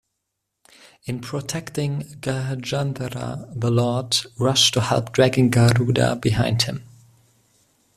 In protecting Gajendhra the Lord rushed to help dragging Garuda behind Him.